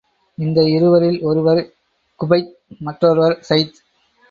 அந்த இருவரில் ஒருவர் குபைப், மற்றொருவர் ஸைத்.